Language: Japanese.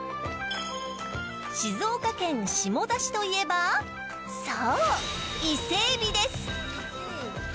静岡県下田市といえばそう、伊勢エビです。